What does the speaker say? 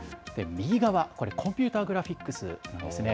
右側、これ、コンピューターグラフィックスなんですね。